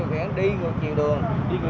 đi ngược chiều đường